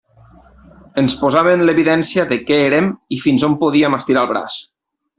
Ens posava en l'evidència de què érem i fins on podíem estirar el braç.